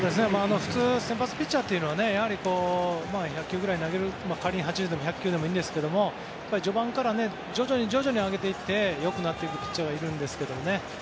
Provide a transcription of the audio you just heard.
先発ピッチャーというのは１００球ぐらい投げる仮に８０でも１００球でもいいんですが序盤から徐々に上げていって良くなっていくピッチャーがいるんですけどね。